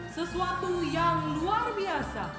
sesuatu yang luar biasa